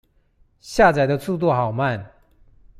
下載的速度好慢